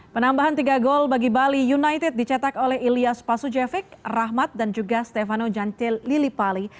penambahan tiga gol bagi bali united dicetak oleh ilyas pasujevic rahmat dan juga stefano jantil lilipali